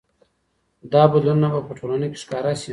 دا بدلونونه به په ټولنه کي ښکاره سي.